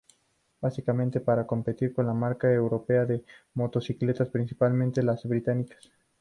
Básicamente para competir con las marcas europeas de motocicletas, principalmente las británicas.